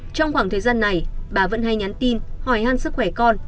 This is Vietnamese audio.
trong khoảng thời gian này bà vẫn hay nhắn tin hỏi ăn sức khỏe con